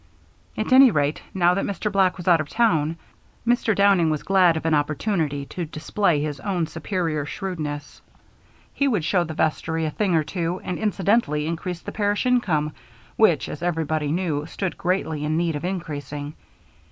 At any rate, now that Mr. Black was out of town, Mr. Downing was glad of an opportunity to display his own superior shrewdness. He would show the vestry a thing or two, and incidentally increase the parish income, which as everybody knew stood greatly in need of increasing.